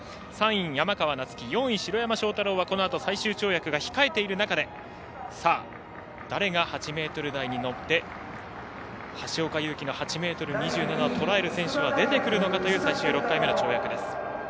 ３位、山川夏輝４位の城山正太郎は、このあと最終跳躍が控えている中で誰が８ｍ台に乗って橋岡優輝の８ｍ２７をとらえる選手は出てくるのかという最終６回目の跳躍です。